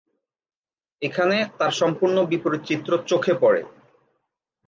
এখানে তার সম্পূর্ণ বিপরীত চিত্র চোখে পড়ে।